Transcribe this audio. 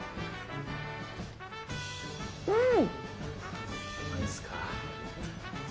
うん。